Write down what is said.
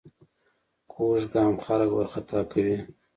کوږ ګام خلک وارخطا کوي